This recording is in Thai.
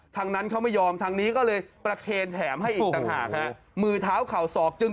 ทวงคืนบาประโยม